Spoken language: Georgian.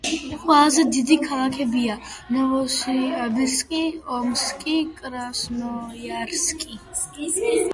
ყველაზე დიდი ქალაქებია: ნოვოსიბირსკი, ომსკი, კრასნოიარსკი.